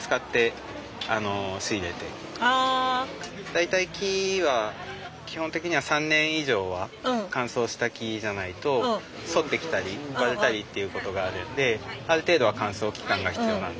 大体木は基本的には３年以上は乾燥した木じゃないと反ってきたり割れたりっていう事があるんである程度は乾燥期間が必要なんです。